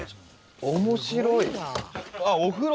面白い！